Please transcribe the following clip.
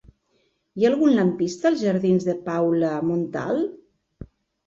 Hi ha algun lampista als jardins de Paula Montal?